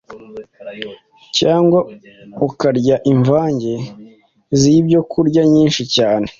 cyangwa ukarya imvange zibyokurya nyinshi cyane